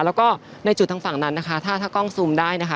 แล้วก็ในจุดทางฝั่งนั้นนะคะถ้าถ้ากล้องซูมได้นะคะ